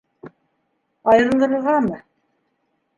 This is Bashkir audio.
Айырылырғамы?